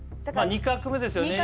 ２画目ですよね